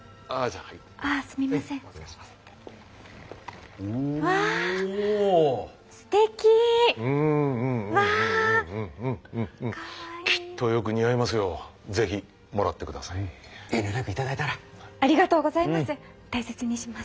ありがとうございます。